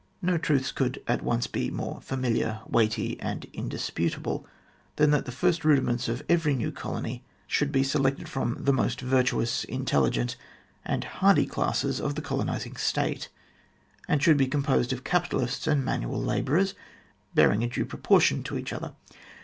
24 THE GLADSTONE COLONY No truths could at once be more familiar, weighty, and in disputable than that the first rudiments of every new colony should be selected from the most virtuous, intelligent, and hardy classes of the colonising state, and should be composed of capitalists and manual labourers bearing a due proportion to each other.